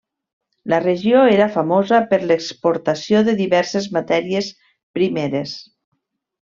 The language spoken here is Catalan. La regió era famosa per l'exportació de diverses matèries primeres.